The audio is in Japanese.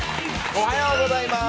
おはようございます。